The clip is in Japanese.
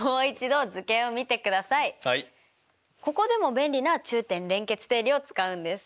ここでも便利な中点連結定理を使うんです。